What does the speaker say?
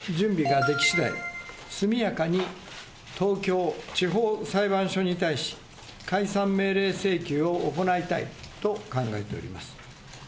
私としましては、あす以降、準備ができ次第、速やかに東京地方裁判所に対し、解散命令請求を行いたいと考えております。